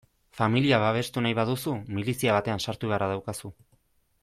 Familia babestu nahi baduzu, milizia batean sartu beharra daukazu.